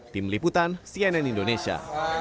tim liputan cnn indonesia